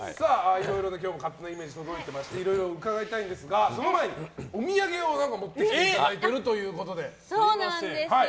いろいろ勝手なイメージが届いていましていろいろ伺いたいんですがその前にお土産を持ってきていただいているということで。